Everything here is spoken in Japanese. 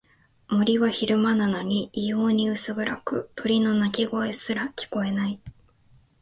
森は昼間なのに異様に薄暗く、鳥の鳴き声すら聞こえない。